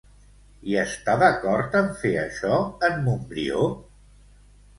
Hi està d'acord en fer això, en Montbrió?